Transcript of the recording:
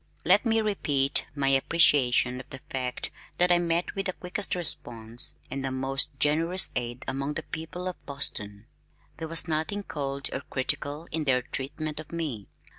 Let me repeat my appreciation of the fact that I met with the quickest response and the most generous aid among the people of Boston. There was nothing cold or critical in their treatment of me.